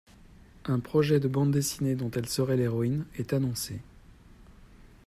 Un projet de bande dessinée dont elle serait l'héroïne est annoncé.